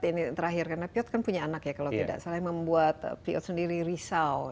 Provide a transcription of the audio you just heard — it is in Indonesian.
ini terakhir karena piot kan punya anak ya kalau tidak salah membuat piot sendiri risau